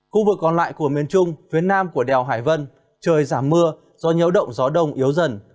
khu vực còn lại của miền trung phía nam của đèo hải vân trời giảm mưa do nhiễu động gió đông yếu dần